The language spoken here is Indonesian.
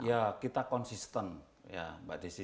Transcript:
ya kita konsisten ya mbak desi